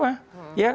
ya itu memang gerindra